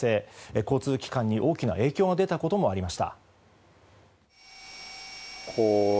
交通機関に大きな影響も出たことがありました。